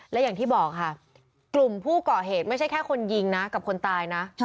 และอย่างที่บอกค่ะกลุ่มผู้ก่อเหตุไม่ใช่แค่คนยิงนะกับคนตายนะ